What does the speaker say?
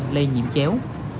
lây nhiễm chéo